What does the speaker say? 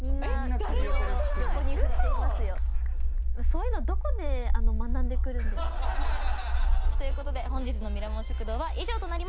そういうのどこで学んでくるんです？ということで本日のミラモン食堂は以上となります。